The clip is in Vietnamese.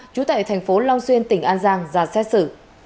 trú tại thành phố long xuyên tỉnh an giang ra xét xử